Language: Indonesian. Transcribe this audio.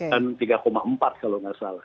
dan tiga empat kalau nggak salah